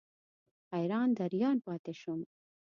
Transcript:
حیران دریان پاتې شوم.